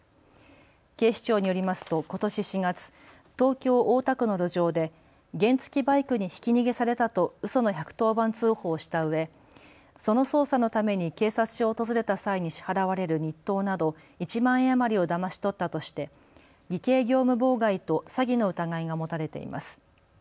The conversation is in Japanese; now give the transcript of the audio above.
警視庁によりますと、ことし４月、東京大田区の路上で原付きバイクにひき逃げされたとうその１１０番通報をしたうえその捜査のために警察署を訪れた際に支払われる日当など１万円余りをだまし取ったとして偽計業務妨害と詐欺の疑いが持たれています。